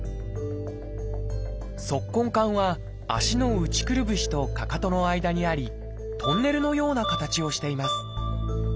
「足根管」は足の内くるぶしとかかとの間にありトンネルのような形をしています。